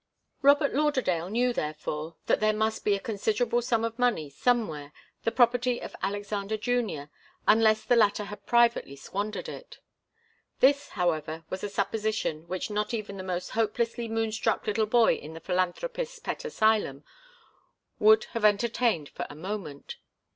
Robert Lauderdale knew, therefore, that there must be a considerable sum of money, somewhere, the property of Alexander Junior, unless the latter had privately squandered it. This, however, was a supposition which not even the most hopelessly moonstruck little boy in the philanthropist's pet asylum would have entertained for a moment.